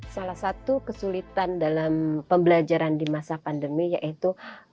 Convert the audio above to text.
salah satu kesulitan dalam pembelajaran di masa pandemi yaitu